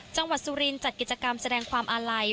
จังหวัดสุรินทร์จัดกิจกรรมแจรงความอาลัย